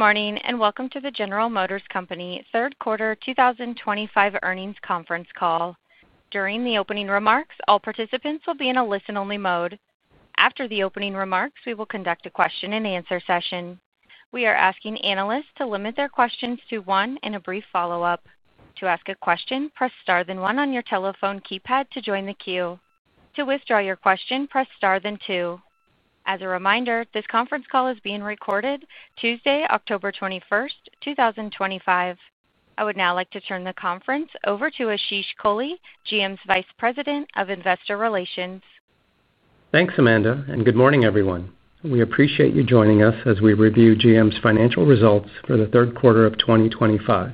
Morning and welcome to the General Motors Company Third Quarter 2025 earnings conference call. During the opening remarks, all participants will be in a listen-only mode. After the opening remarks, we will conduct a question and answer session. We are asking analysts to limit their questions to one and a brief follow-up. To ask a question, press star, then one on your telephone keypad to join the queue. To withdraw your question, press star, then two. As a reminder, this conference call is being recorded Tuesday, October 21st, 2025. I would now like to turn the conference over to Ashish Kohli, GM's Vice President of Investor Relations. Thanks, Amanda, and good morning, everyone. We appreciate you joining us as we review GM's financial results for the third quarter of 2025.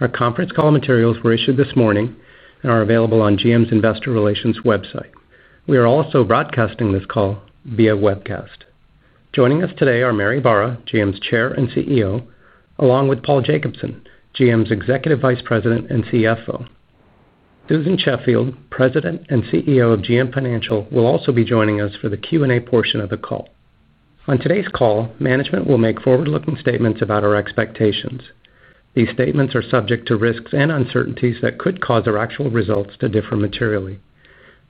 Our conference call materials were issued this morning and are available on GM's Investor Relations website. We are also broadcasting this call via webcast. Joining us today are Mary Barra, GM's Chair and CEO, along with Paul Jacobson, GM's Executive Vice President and CFO. Susan Sheffield, President and CEO of GM Financial, will also be joining us for the Q&A portion of the call. On today's call, management will make forward-looking statements about our expectations. These statements are subject to risks and uncertainties that could cause our actual results to differ materially.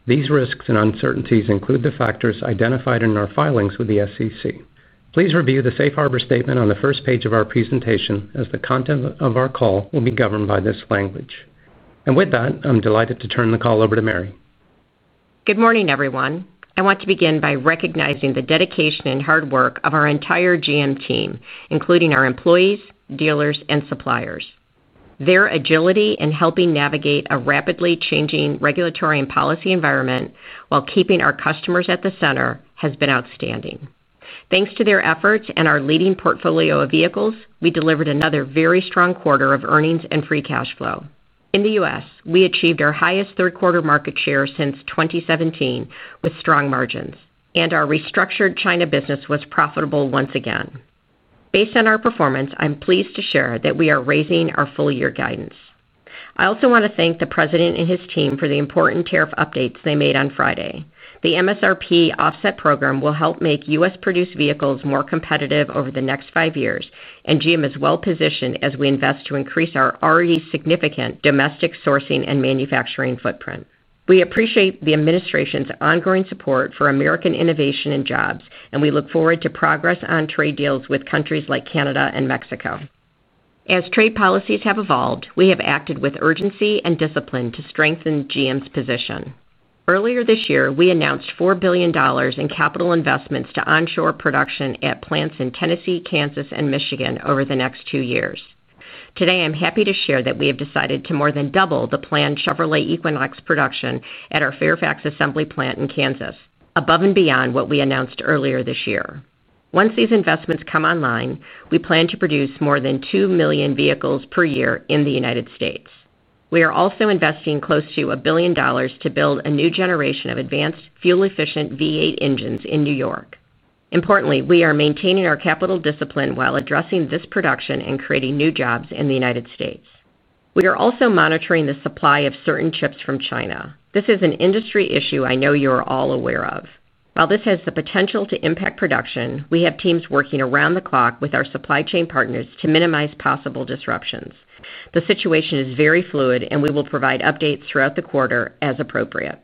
These risks and uncertainties include the factors identified in our filings with the SEC. Please review the safe harbor statement on the first page of our presentation, as the content of our call will be governed by this language. With that, I'm delighted to turn the call over to Mary. Good morning, everyone. I want to begin by recognizing the dedication and hard work of our entire GM team, including our employees, dealers, and suppliers. Their agility in helping navigate a rapidly changing regulatory and policy environment while keeping our customers at the center has been outstanding. Thanks to their efforts and our leading portfolio of vehicles, we delivered another very strong quarter of earnings and free cash flow. In the U.S., we achieved our highest third-quarter market share since 2017 with strong margins, and our restructured China business was profitable once again. Based on our performance, I'm pleased to share that we are raising our full-year guidance. I also want to thank the President and his team for the important tariff updates they made on Friday. The MSRP tariff offset program will help make U.S.-produced vehicles more competitive over the next five years, and GM is well positioned as we invest to increase our already significant domestic sourcing and manufacturing footprint. We appreciate the administration's ongoing support for American innovation and jobs, and we look forward to progress on trade deals with countries like Canada and Mexico. As trade policies have evolved, we have acted with urgency and discipline to strengthen GM's position. Earlier this year, we announced $4 billion in capital investments to onshore production at plants in Tennessee, Kansas, and Michigan over the next two years. Today, I'm happy to share that we have decided to more than double the planned Chevrolet Equinox production at our Fairfax plant in Kansas, above and beyond what we announced earlier this year. Once these investments come online, we plan to produce more than 2 million vehicles per year in the United States. We are also investing close to $1 billion to build a new generation of advanced fuel-efficient V8 engines in New York. Importantly, we are maintaining our capital discipline while addressing this production and creating new jobs in the United States. We are also monitoring the supply of certain chips from China. This is an industry issue I know you are all aware of. While this has the potential to impact production, we have teams working around the clock with our supply chain partners to minimize possible disruptions. The situation is very fluid, and we will provide updates throughout the quarter as appropriate.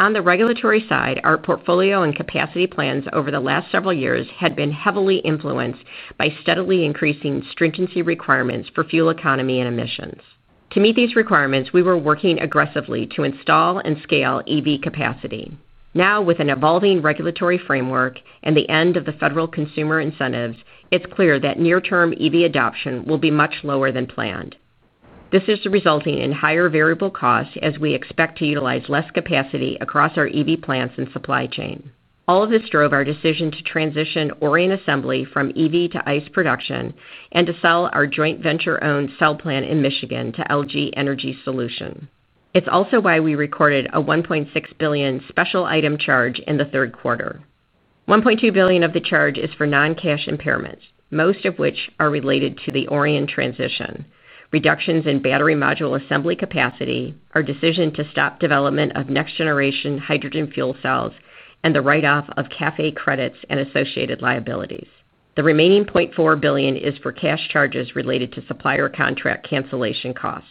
On the regulatory side, our portfolio and capacity plans over the last several years have been heavily influenced by steadily increasing stringency requirements for fuel economy and emissions. To meet these requirements, we were working aggressively to install and scale EV capacity. Now, with an evolving regulatory framework and the end of the federal consumer incentives, it's clear that near-term EV adoption will be much lower than planned. This is resulting in higher variable costs as we expect to utilize less capacity across our EV plants and supply chain. All of this drove our decision to transition Orion Assembly from EV to ICE production and to sell our joint venture-owned cell plant in Michigan to LG Energy Solution. It's also why we recorded a $1.6 billion special item charge in the third quarter. $1.2 billion of the charge is for non-cash impairments, most of which are related to the Orion transition, reductions in battery module assembly capacity, our decision to stop development of next-generation hydrogen fuel cells, and the write-off of CAFE credits and associated liabilities. The remaining $0.4 billion is for cash charges related to supplier contract cancellation costs.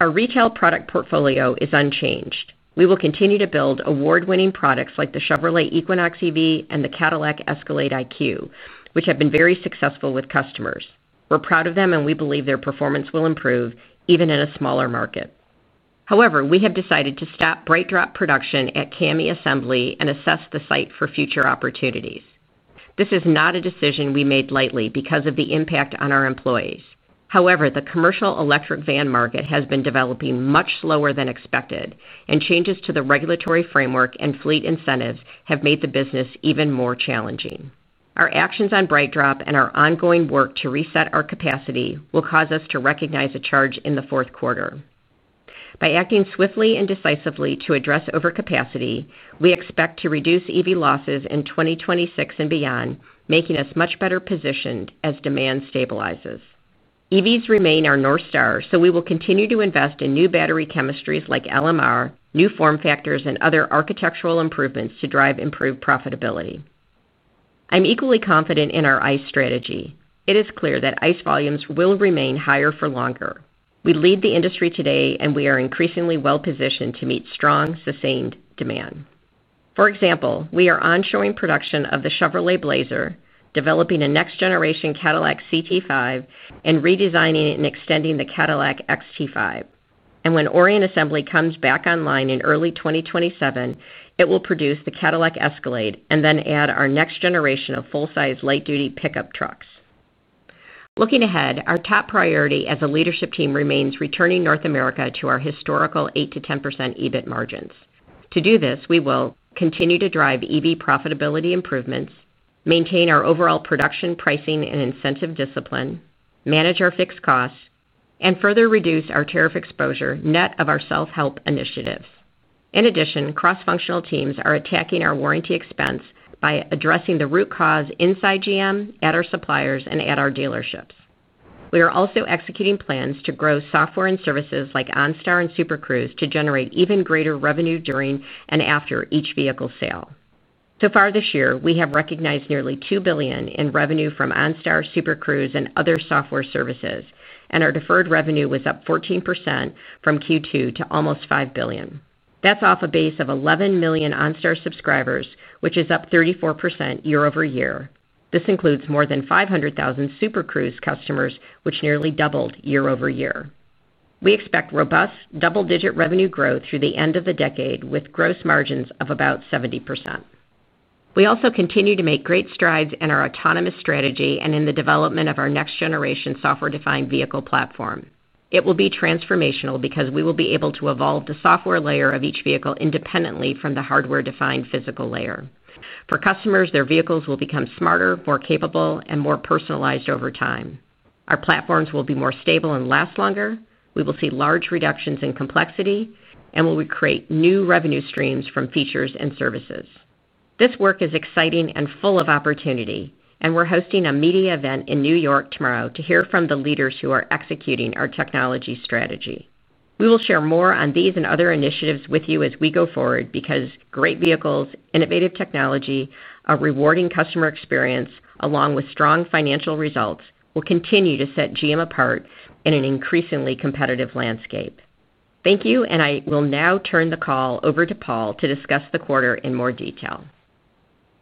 Our retail product portfolio is unchanged. We will continue to build award-winning products like the Chevrolet Equinox EV and the Cadillac Escalade IQ, which have been very successful with customers. We're proud of them, and we believe their performance will improve even in a smaller market. However, we have decided to stop BrightDrop production at CAMI Assembly and assess the site for future opportunities. This is not a decision we made lightly because of the impact on our employees. However, the commercial electric van market has been developing much slower than expected, and changes to the regulatory framework and fleet incentives have made the business even more challenging. Our actions on BrightDrop and our ongoing work to reset our capacity will cause us to recognize a charge in the fourth quarter. By acting swiftly and decisively to address overcapacity, we expect to reduce EV losses in 2026 and beyond, making us much better positioned as demand stabilizes. EVs remain our north star, so we will continue to invest in new battery chemistries like LMR, new form factors, and other architectural improvements to drive improved profitability. I'm equally confident in our ICE strategy. It is clear that ICE volumes will remain higher for longer. We lead the industry today, and we are increasingly well positioned to meet strong, sustained demand. For example, we are onshoring production of the Chevrolet Blazer, developing a next-generation Cadillac CT5, and redesigning and extending the Cadillac XT5. When Orion Assembly comes back online in early 2027, it will produce the Cadillac Escalade and then add our next generation of full-size light-duty pickup trucks. Looking ahead, our top priority as a leadership team remains returning North America to our historical 8% - 10% EBIT margins. To do this, we will continue to drive EV profitability improvements, maintain our overall production pricing and incentive discipline, manage our fixed costs, and further reduce our tariff exposure net of our self-help initiatives. In addition, cross-functional teams are attacking our warranty expense by addressing the root cause inside GM, at our suppliers, and at our dealerships. We are also executing plans to grow software and services like OnStar Super Cruise to generate even greater revenue during and after each vehicle sale. So far this year, we have recognized nearly $2 billion in revenue from OnStar Super Cruise, and other software services, and our deferred revenue was up 14% from Q2 to almost $5 billion. That's off a base of 11 million OnStar subscribers, which is up 34% year-over-year. This includes more than 500,000 Super Cruise customers, which nearly doubled year-over-year. We expect robust double-digit revenue growth through the end of the decade with gross margins of about 70%. We also continue to make great strides in our autonomous strategy and in the development of our next-generation software-defined vehicle platform. It will be transformational because we will be able to evolve the software layer of each vehicle independently from the hardware-defined physical layer. For customers, their vehicles will become smarter, more capable, and more personalized over time. Our platforms will be more stable and last longer. We will see large reductions in complexity, and we will create new revenue streams from features and services. This work is exciting and full of opportunity, and we're hosting a media event in New York tomorrow to hear from the leaders who are executing our technology strategy. We will share more on these and other initiatives with you as we go forward, because great vehicles, innovative technology, a rewarding customer experience, along with strong financial results, will continue to set GM apart in an increasingly competitive landscape. Thank you, and I will now turn the call over to Paul to discuss the quarter in more detail.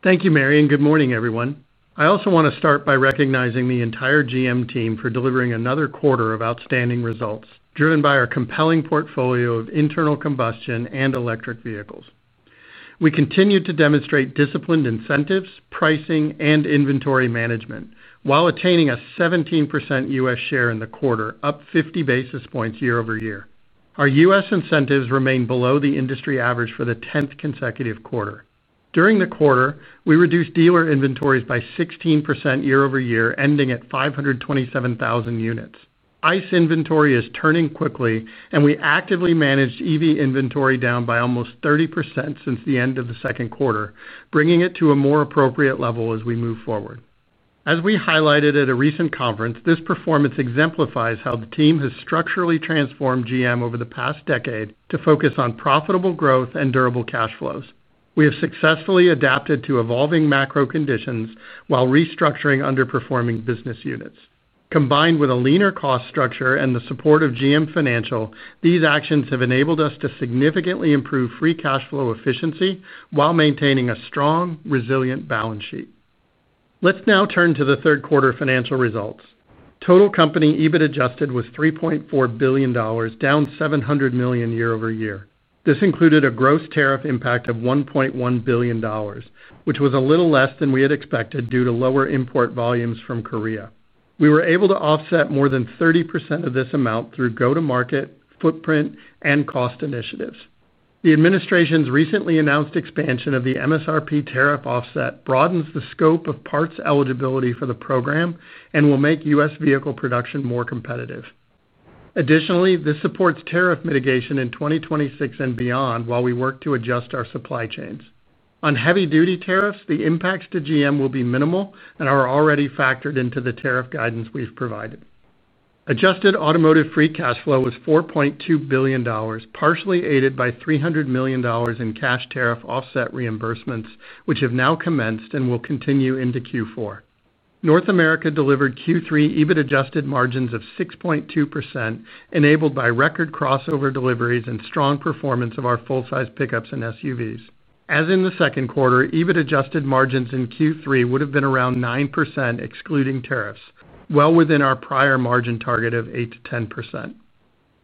Thank you, Mary, and good morning, everyone. I also want to start by recognizing the entire GM team for delivering another quarter of outstanding results, driven by our compelling portfolio of internal combustion and electric vehicles. We continue to demonstrate disciplined incentives, pricing, and inventory management while attaining a 17% U.S. share in the quarter, up 50 basis points year-over-year. Our U.S. incentives remain below the industry average for the 10th consecutive quarter. During the quarter, we reduced dealer inventories by 16% year-over-year, ending at 527,000 units. ICE inventory is turning quickly, and we actively managed EV inventory down by almost 30% since the end of the second quarter, bringing it to a more appropriate level as we move forward. As we highlighted at a recent conference, this performance exemplifies how the team has structurally transformed GM over the past decade to focus on profitable growth and durable cash flows. We have successfully adapted to evolving macro conditions while restructuring underperforming business units. Combined with a leaner cost structure and the support of GM Financial, these actions have enabled us to significantly improve free cash flow efficiency while maintaining a strong, resilient balance sheet. Let's now turn to the third quarter financial results. Total company EBIT-adjusted was $3.4 billion, down $700 million year-over-year. This included a gross tariff impact of $1.1 billion, which was a little less than we had expected due to lower import volumes from Korea. We were able to offset more than 30% of this amount through go-to-market, footprint, and cost initiatives. The administration's recently announced expansion of the MSRP tariff offset broadens the scope of parts eligibility for the program and will make U.S. vehicle production more competitive. Additionally, this supports tariff mitigation in 2026 and beyond while we work to adjust our supply chains. On heavy-duty tariffs, the impacts to GM will be minimal and are already factored into the tariff guidance we've provided. Adjusted automotive free cash flow was $4.2 billion, partially aided by $300 million in cash tariff offset reimbursements, which have now commenced and will continue into Q4. North America delivered Q3 EBIT-adjusted margins of 6.2%, enabled by record crossover deliveries and strong performance of our full-size pickups and SUVs. As in the second quarter, EBIT-adjusted margins in Q3 would have been around 9%, excluding tariffs, well within our prior margin target of 8% - 10%.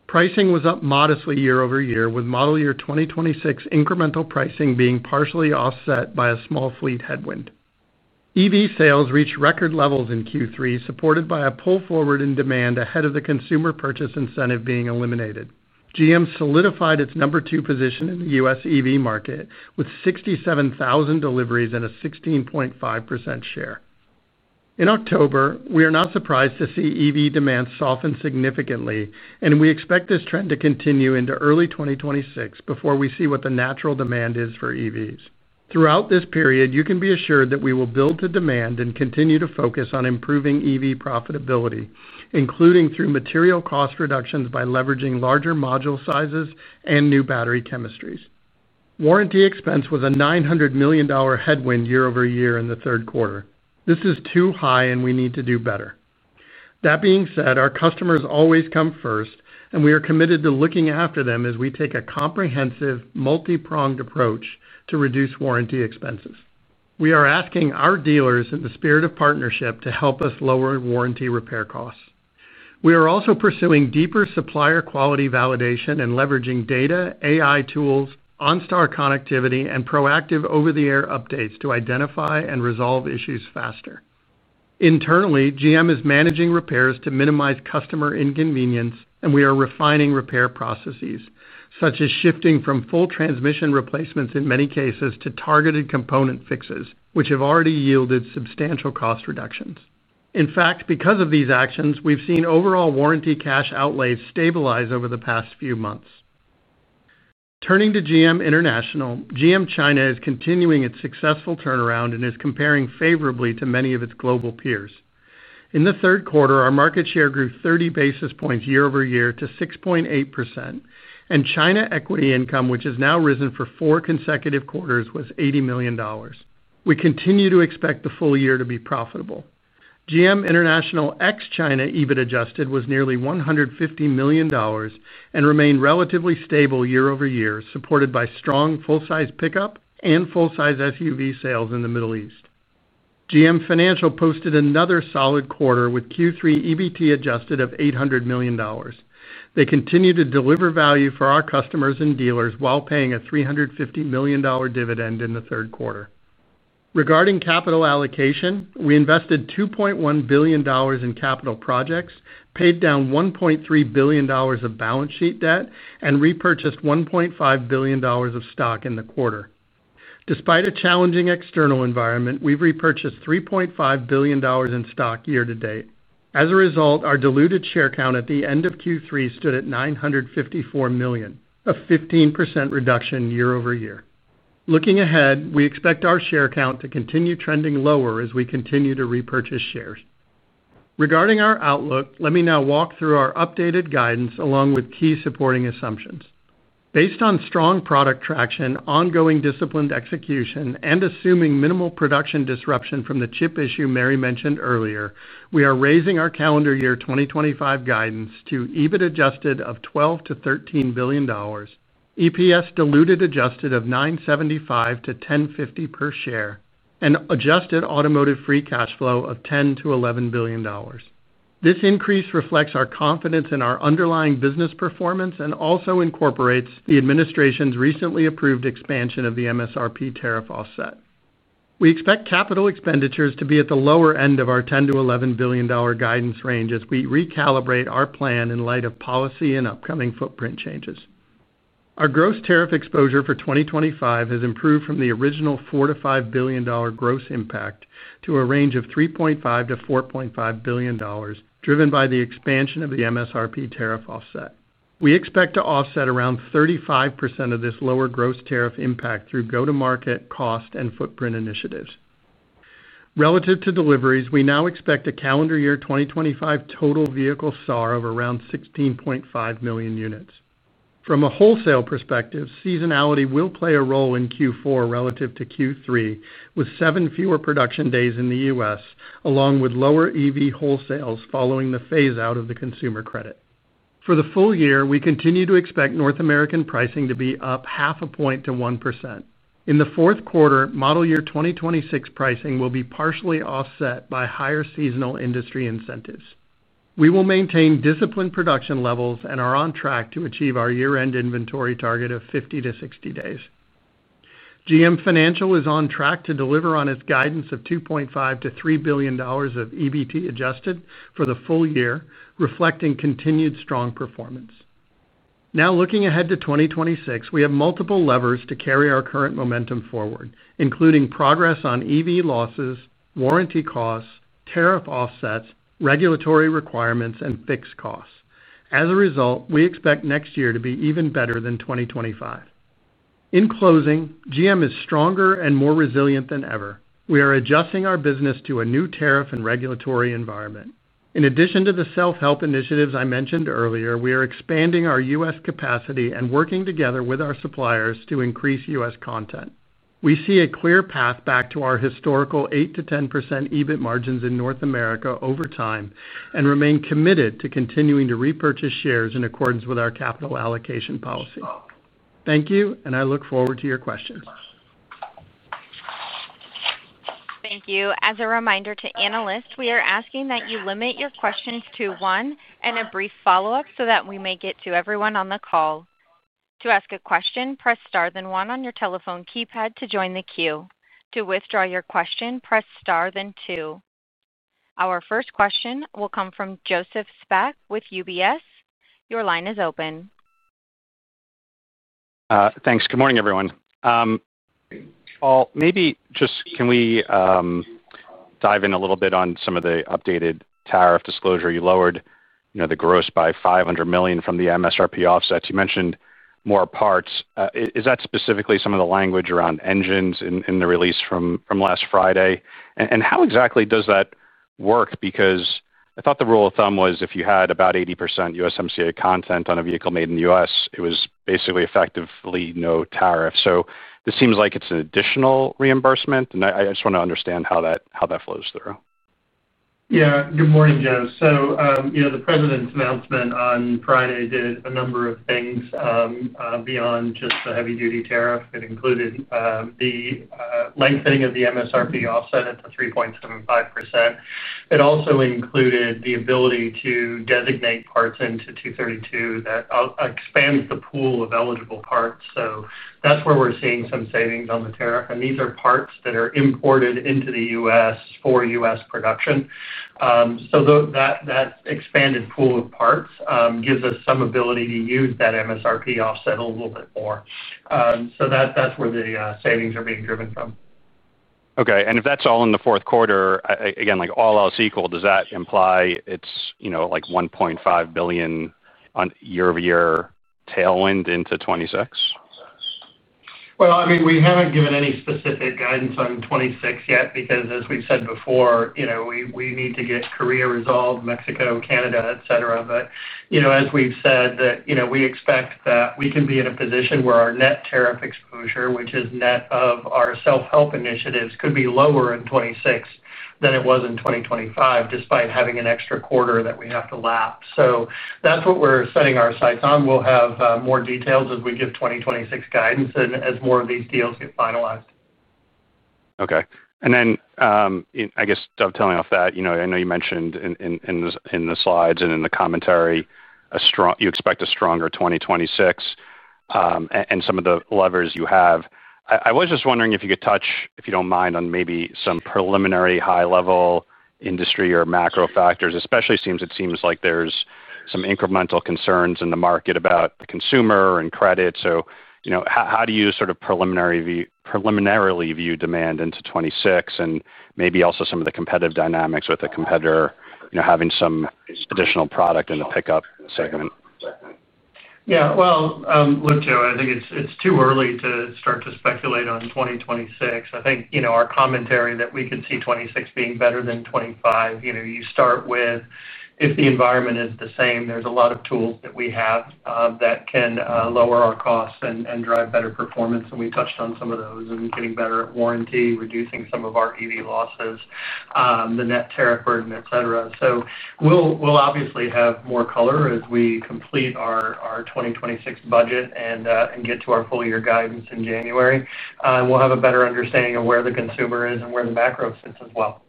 Pricing was up modestly year-over-year, with model year 2026 incremental pricing being partially offset by a small fleet headwind. EV sales reached record levels in Q3, supported by a pull forward in demand ahead of the consumer purchase incentive being eliminated. GM solidified its number two position in the U.S. EV market, with 67,000 deliveries and a 16.5% share. In October, we are not surprised to see EV demand soften significantly, and we expect this trend to continue into early 2026 before we see what the natural demand is for EVs. Throughout this period, you can be assured that we will build to demand and continue to focus on improving EV profitability, including through material cost reductions by leveraging larger module sizes and new battery chemistries. Warranty expense was a $900 million headwind year-over-year in the third quarter. This is too high, and we need to do better. That being said, our customers always come first, and we are committed to looking after them as we take a comprehensive, multipronged approach to reduce warranty expenses. We are asking our dealers in the spirit of partnership to help us lower warranty repair costs. We are also pursuing deeper supplier quality validation and leveraging data, AI tools, OnStar connectivity, and proactive over-the-air updates to identify and resolve issues faster. Internally, GM is managing repairs to minimize customer inconvenience, and we are refining repair processes, such as shifting from full transmission replacements in many cases to targeted component fixes, which have already yielded substantial cost reductions. In fact, because of these actions, we've seen overall warranty cash outlays stabilize over the past few months. Turning to GM International, GM China is continuing its successful turnaround and is comparing favorably to many of its global peers. In the third quarter, our market share grew 30 basis points year-over-year to 6.8%, and China equity income, which has now risen for four consecutive quarters, was $80 million. We continue to expect the full year to be profitable. GM International ex-China EBIT-adjusted was nearly $150 million and remained relatively stable year-over-year, supported by strong full-size pickup and full-size SUV sales in the Middle East. GM Financial posted another solid quarter with Q3 EBIT-adjusted of $800 million. They continue to deliver value for our customers and dealers while paying a $350 million dividend in the third quarter. Regarding capital allocation, we invested $2.1 billion in capital projects, paid down $1.3 billion of balance sheet debt, and repurchased $1.5 billion of stock in the quarter. Despite a challenging external environment, we've repurchased $3.5 billion in stock year to date. As a result, our diluted share count at the end of Q3 stood at 954 million, a 15% reduction year-over-year. Looking ahead, we expect our share count to continue trending lower as we continue to repurchase shares. Regarding our outlook, let me now walk through our updated guidance along with key supporting assumptions. Based on strong product traction, ongoing disciplined execution, and assuming minimal production disruption from the chip issue Mary mentioned earlier, we are raising our calendar year 2025 guidance to EBIT-adjusted of $12 billion - $13 billion, EPS diluted adjusted of $9.75 - $10.50 per share, and adjusted automotive free cash flow of $10 billion - $11 billion. This increase reflects our confidence in our underlying business performance and also incorporates the administration's recently approved expansion of the MSRP tariff offset. We expect capital expenditures to be at the lower end of our $10 billion - $11 billion guidance range as we recalibrate our plan in light of policy and upcoming footprint changes. Our gross tariff exposure for 2025 has improved from the original $4 billion - $5 billion gross impact to a range of $3.5 billion - $4.5 billion, driven by the expansion of the MSRP tariff offset. We expect to offset around 35% of this lower gross tariff impact through go-to-market, cost, and footprint initiatives. Relative to deliveries, we now expect a calendar year 2025 total vehicle SAR of around 16.5 million units. From a wholesale perspective, seasonality will play a role in Q4 relative to Q3, with seven fewer production days in the U.S., along with lower EV wholesales following the phase-out of the consumer credit. For the full year, we continue to expect North American pricing to be up half a point to 1%. In the fourth quarter, model year 2026 pricing will be partially offset by higher seasonal industry incentives. We will maintain disciplined production levels and are on track to achieve our year-end inventory target of 50 to 60 days. GM Financial is on track to deliver on its guidance of $2.5 billion - $3 billion of EBIT-adjusted for the full year, reflecting continued strong performance. Now, looking ahead to 2026, we have multiple levers to carry our current momentum forward, including progress on EV losses, warranty costs, tariff offsets, regulatory requirements, and fixed costs. As a result, we expect next year to be even better than 2025. In closing, GM is stronger and more resilient than ever. We are adjusting our business to a new tariff and regulatory environment. In addition to the self-help initiatives I mentioned earlier, we are expanding our U.S. capacity and working together with our suppliers to increase U.S. content. We see a clear path back to our historical 8% - 10% EBIT margins in North America over time and remain committed to continuing to repurchase shares in accordance with our capital allocation policy. Thank you, and I look forward to your questions. Thank you. As a reminder to analysts, we are asking that you limit your questions to one and a brief follow-up so that we make it to everyone on the call. To ask a question, press star, then one on your telephone keypad to join the queue. To withdraw your question, press star, then two. Our first question will come from Joseph Spak with UBS. Your line is open. Thanks. Good morning, everyone. Paul, maybe just can we dive in a little bit on some of the updated tariff disclosure? You lowered, you know, the gross by $500 million from the MSRP offsets. You mentioned more parts. Is that specifically some of the language around engines in the release from last Friday? How exactly does that work? I thought the rule of thumb was if you had about 80% USMCA content on a vehicle made in the U.S., it was basically effectively no tariff. This seems like it's an additional reimbursement, and I just want to understand how that flows through. Good morning, Joe. The President's announcement on Friday did a number of things, beyond just the heavy-duty tariff. It included the lengthening of the MSRP tariff offset at the 3.75%. It also included the ability to designate parts into 232 that expands the pool of eligible parts. That's where we're seeing some savings on the tariff, and these are parts that are imported into the U.S. for U.S. production. That expanded pool of parts gives us some ability to use that MSRP tariff offset a little bit more. That's where the savings are being driven from. Okay. If that's all in the fourth quarter, again, like all else equal, does that imply it's, you know, like $1.5 billion on year-over-year tailwind into 2026? I mean, we haven't given any specific guidance on 2026 yet because, as we've said before, you know, we need to get Korea resolved, Mexico, Canada, et cetera. As we've said, we expect that we can be in a position where our net tariff exposure, which is net of our self-help initiatives, could be lower in 2026 than it was in 2025, despite having an extra quarter that we have to lapse. That's what we're setting our sights on. We'll have more details as we give 2026 guidance and as more of these deals get finalized. Okay. I guess dovetailing off that, I know you mentioned in the slides and in the commentary you expect a stronger 2026, and some of the levers you have. I was just wondering if you could touch, if you don't mind, on maybe some preliminary high-level industry or macro factors. Especially, it seems like there's some incremental concerns in the market about consumer and credit. How do you sort of preliminarily view demand into 2026 and maybe also some of the competitive dynamics with a competitor having some additional product in the pickup segment? Yeah, Joe, I think it's too early to start to speculate on 2026. I think, you know, our commentary that we could see 2026 being better than 2025, you know, you start with if the environment is the same, there's a lot of tools that we have that can lower our costs and drive better performance. We touched on some of those, getting better at warranty, reducing some of our EV losses, the net tariff burden, et cetera. We'll obviously have more color as we complete our 2026 budget and get to our full-year guidance in January. We'll have a better understanding of where the consumer is and where the macro fits as well.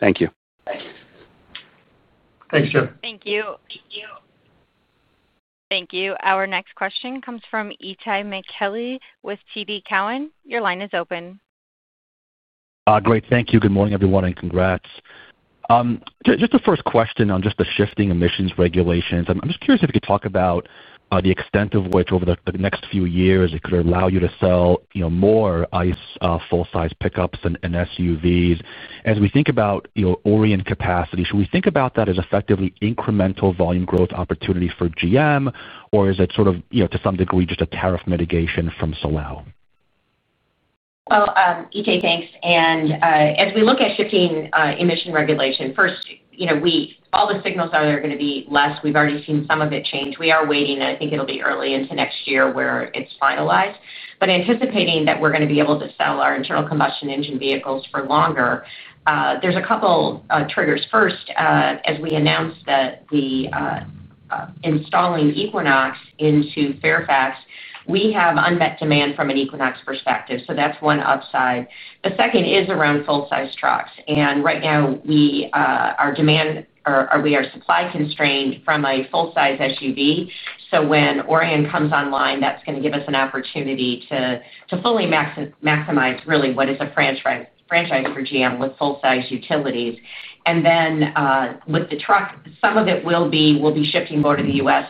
Thank you. Thanks, Joe. Thank you. Thank you. Our next question comes from Itay Michaeli with TD Cowen. Your line is open. Great. Thank you. Good morning, everyone, and congrats. Just a first question on the shifting emissions regulations. I'm just curious if you could talk about the extent of which over the next few years it could allow you to sell more ICE, full-size pickups and SUVs. As we think about Orion capacity, should we think about that as effectively incremental volume growth opportunity for General Motors, or is it to some degree just a tariff mitigation from Solow? Thank you, Eti. As we look at shifting emission regulation, first, all the signals are there are going to be less. We've already seen some of it change. We are waiting, and I think it'll be early into next year where it's finalized. Anticipating that we're going to be able to sell our internal combustion engine vehicles for longer, there's a couple triggers. First, as we announced that we are installing Equinox into Fairfax, we have unmet demand from a Equinox perspective. That's one upside. The second is around full-size trucks. Right now, we are supply constrained from a full-size SUV. When Orion comes online, that's going to give us an opportunity to fully maximize what is really a franchise for General Motors with full-size utilities. With the truck, some of it will be shifting more to the U.S.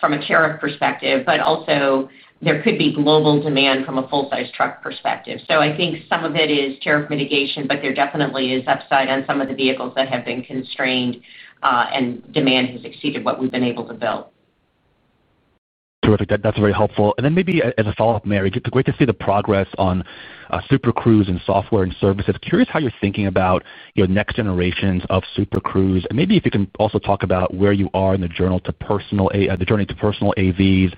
from a tariff perspective, but also there could be global demand from a full-size truck perspective. I think some of it is tariff mitigation, but there definitely is upside on some of the vehicles that have been constrained, and demand has exceeded what we've been able to build. Terrific. That's very helpful. Maybe as a follow-up, Mary, it's great to see the progress on Super Cruise and software and services. Curious how you're thinking about, you know, next generations of Super Cruise. Maybe if you can also talk about where you are in the journey to personal AVs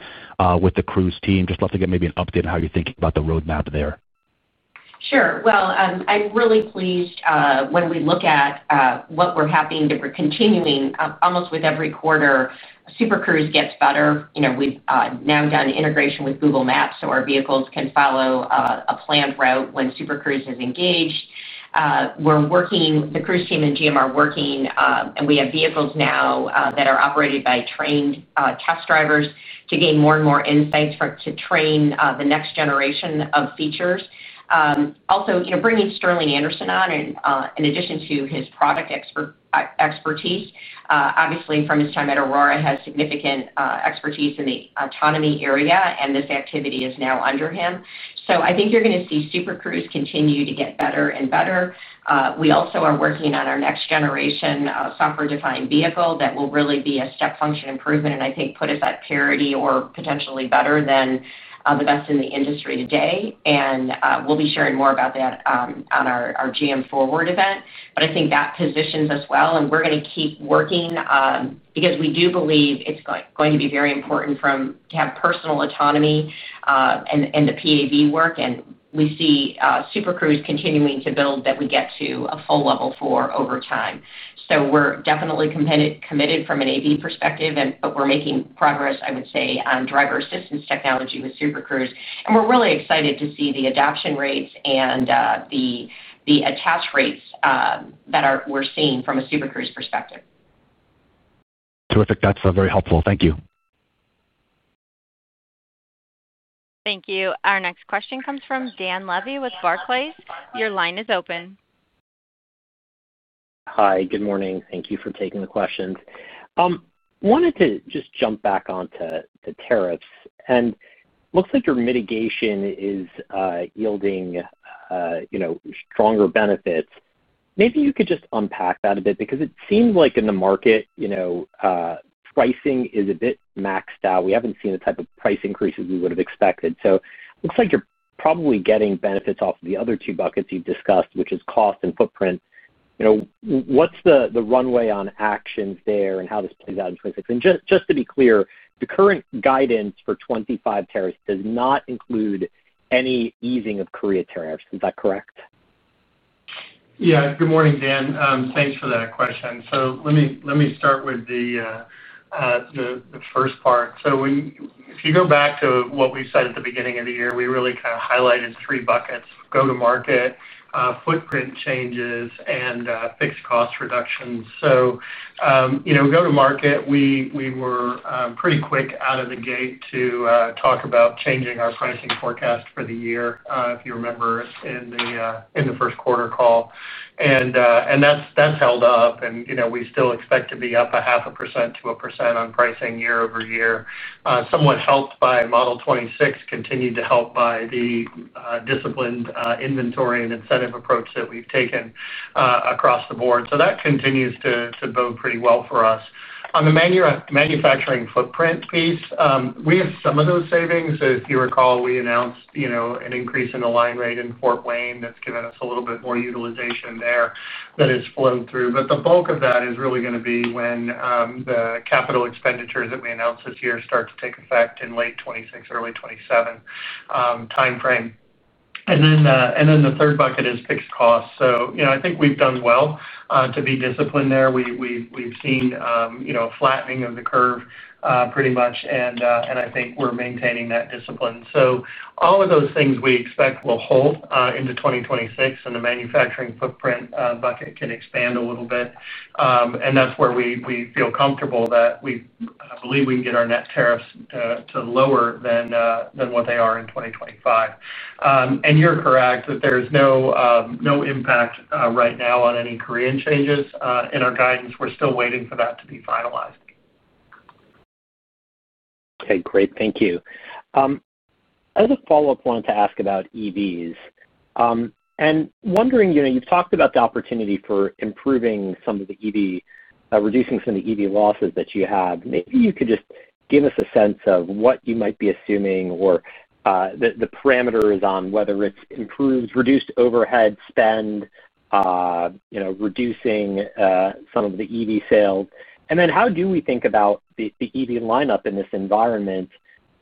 with the Cruise team. Just love to get maybe an update on how you're thinking about the roadmap there. Sure. I'm really pleased, when we look at what we're happening to be continuing, almost with every quarter, Super Cruise gets better. We've now done integration with Google Maps so our vehicles can follow a planned route when Super Cruise is engaged. We're working, the Cruise team and GM are working, and we have vehicles now that are operated by trained test drivers to gain more and more insights for it to train the next generation of features. Also, you know, bringing Sterling Anderson on, and in addition to his product expertise, obviously from his time at Aurora, has significant expertise in the autonomy area, and this activity is now under him. I think you're going to see Super Cruise continue to get better and better. We also are working on our next generation software-defined vehicle that will really be a step function improvement, and I think put us at parity or potentially better than the best in the industry today. We'll be sharing more about that on our GM Forward event. I think that positions us well, and we're going to keep working, because we do believe it's going to be very important to have personal autonomy, and the PAV work. We see Super Cruise continuing to build that we get to a full level four over time. We're definitely committed from an AV perspective, and we're making progress, I would say, on driver assistance technology with Super Cruise. We're really excited to see the adoption rates and the attach rates that we're seeing from a Super Cruise perspective. Terrific. That's very helpful. Thank you. Thank you. Our next question comes from Dan Levy with Barclays. Your line is open. Hi. Good morning. Thank you for taking the questions. I wanted to just jump back onto the tariffs. It looks like your mitigation is yielding, you know, stronger benefits. Maybe you could just unpack that a bit because it seems like in the market, you know, pricing is a bit maxed out. We haven't seen the type of price increases we would have expected. It looks like you're probably getting benefits off of the other two buckets you've discussed, which is cost and footprint. What's the runway on actions there and how this plays out in 2026? Just to be clear, the current guidance for 2025 tariffs does not include any easing of Korea tariffs. Is that correct? Good morning, Dan. Thanks for that question. Let me start with the first part. If you go back to what we said at the beginning of the year, we really kind of highlighted three buckets: go-to-market, footprint changes, and fixed cost reductions. Go-to-market, we were pretty quick out of the gate to talk about changing our pricing forecast for the year, if you remember, in the first quarter call. That's held up. We still expect to be up 0.5% - 1% on pricing year-over-year, somewhat helped by Model 26, continued to help by the disciplined inventory and incentive approach that we've taken across the board. That continues to bode pretty well for us. On the manufacturing footprint piece, we have some of those savings. If you recall, we announced an increase in the line rate in Fort Wayne. That's given us a little bit more utilization there that has flown through. The bulk of that is really going to be when the capital expenditures that we announced this year start to take effect in late 2026, early 2027 timeframe. The third bucket is fixed costs. I think we've done well to be disciplined there. We've seen a flattening of the curve, pretty much. I think we're maintaining that discipline. All of those things we expect will hold into 2026, and the manufacturing footprint bucket can expand a little bit. That's where we feel comfortable that we believe we can get our net tariffs to lower than what they are in 2025. You're correct that there's no impact right now on any Korean changes in our guidance. We're still waiting for that to be finalized. Okay. Great. Thank you. As a follow-up, I wanted to ask about EVs. I'm wondering, you know, you've talked about the opportunity for improving some of the EV, reducing some of the EV losses that you have. Maybe you could just give us a sense of what you might be assuming or the parameters on whether it's improved reduced overhead spend, you know, reducing some of the EV sales. How do we think about the EV lineup in this environment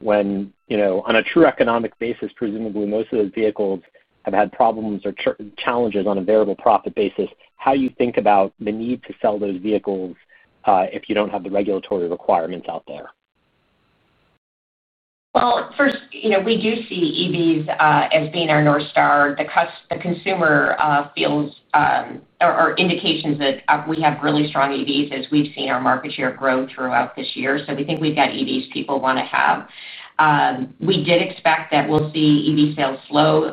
when, you know, on a true economic basis, presumably, most of those vehicles have had problems or challenges on a variable profit basis? How do you think about the need to sell those vehicles, if you don't have the regulatory requirements out there? First, you know, we do see EVs as being our North Star. The consumer feels or indications that we have really strong EVs as we've seen our market share grow throughout this year. We think we've got EVs people want to have. We did expect that we'll see EV sales slow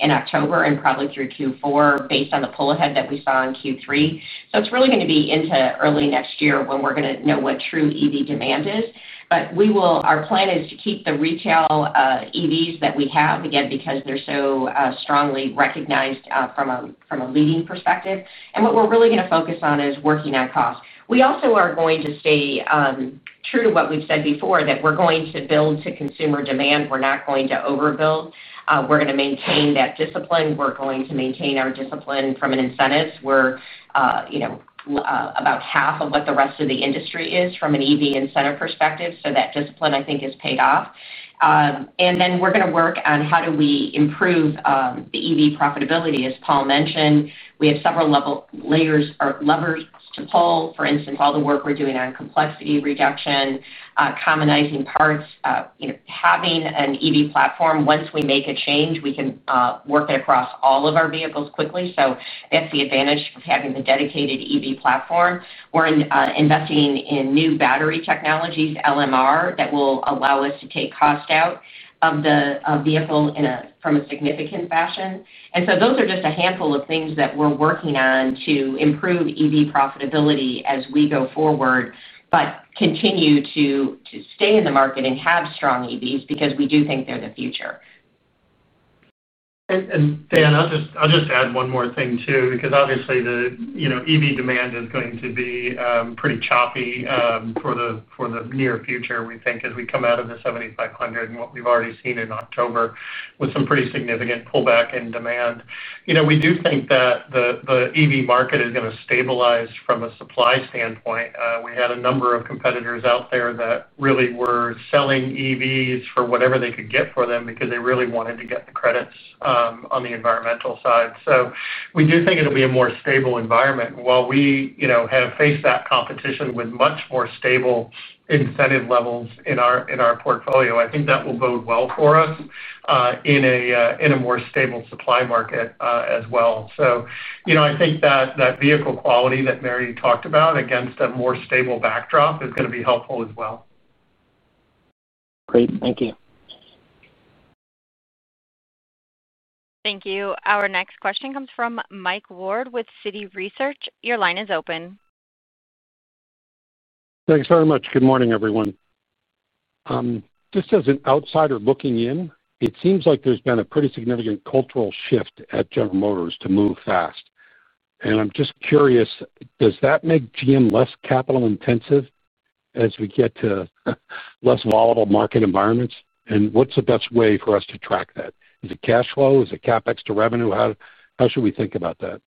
in October and probably through Q4 based on the pull ahead that we saw in Q3. It's really going to be into early next year when we're going to know what true EV demand is. Our plan is to keep the retail EVs that we have, again, because they're so strongly recognized from a leading perspective. What we're really going to focus on is working on cost. We also are going to stay true to what we've said before that we're going to build to consumer demand. We're not going to overbuild. We're going to maintain that discipline. We're going to maintain our discipline from an incentives perspective. We're about half of what the rest of the industry is from an EV incentive perspective. That discipline, I think, has paid off. We're going to work on how do we improve the EV profitability. As Paul mentioned, we have several layers or levers to pull. For instance, all the work we're doing on complexity reduction, commonizing parts, having an EV platform. Once we make a change, we can work it across all of our vehicles quickly. That's the advantage of having the dedicated EV platform. We're investing in new battery technologies, LMR, that will allow us to take cost out of the vehicle in a significant fashion. Those are just a handful of things that we're working on to improve EV profitability as we go forward, but continue to stay in the market and have strong EVs because we do think they're the future. Dan, I'll just add one more thing too because obviously, you know, EV demand is going to be pretty choppy for the near future, we think, as we come out of the $7,500 and what we've already seen in October with some pretty significant pullback in demand. We do think that the EV market is going to stabilize from a supply standpoint. We had a number of competitors out there that really were selling EVs for whatever they could get for them because they really wanted to get the credits on the environmental side. We do think it'll be a more stable environment. While we have faced that competition with much more stable incentive levels in our portfolio, I think that will bode well for us in a more stable supply market as well. I think that vehicle quality that Mary talked about against a more stable backdrop is going to be helpful as well. Great. Thank you. Thank you. Our next question comes from Mike Ward with Citi Research. Your line is open. Thanks very much. Good morning, everyone. Just as an outsider looking in, it seems like there's been a pretty significant cultural shift at General Motors to move fast. I'm just curious, does that make GM less capital intensive as we get to less volatile market environments? What's the best way for us to track that? Is it cash flow? Is it CapEx to revenue? How should we think about that?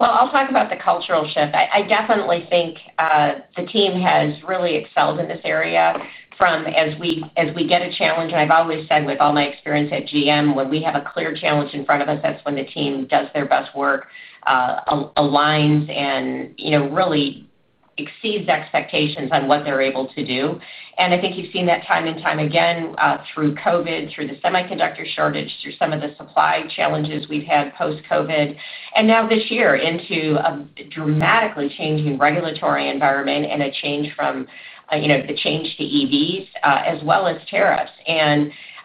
I'll talk about the cultural shift. I definitely think the team has really excelled in this area as we get a challenge. I've always said with all my experience at General Motors, when we have a clear challenge in front of us, that's when the team does their best work, aligns, and really exceeds expectations on what they're able to do. I think you've seen that time and time again, through COVID, through the semiconductor shortage, through some of the supply challenges we've had post-COVID, and now this year into a dramatically changing regulatory environment and a change to EVs, as well as tariffs.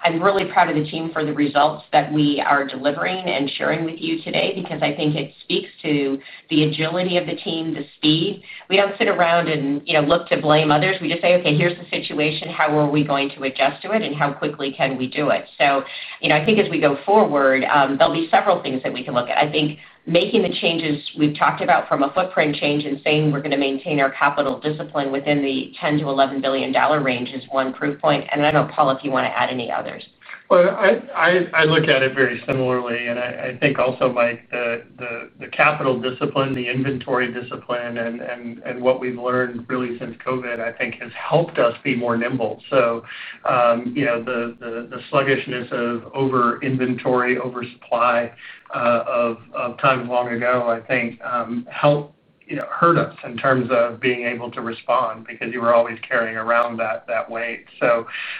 I'm really proud of the team for the results that we are delivering and sharing with you today because I think it speaks to the agility of the team, the speed. We don't sit around and look to blame others. We just say, "Okay, here's the situation. How are we going to adjust to it, and how quickly can we do it?" I think as we go forward, there'll be several things that we can look at. I think making the changes we've talked about from a footprint change and saying we're going to maintain our capital discipline within the $10 billion - $11 billion range is one proof point. I don't know, Paul, if you want to add any others. I look at it very similarly. I think also, Mike, the capital discipline, the inventory discipline, and what we've learned really since COVID, I think, has helped us be more nimble. The sluggishness of overinventory, oversupply, of times long ago, I think, hurt us in terms of being able to respond because you were always carrying around that weight.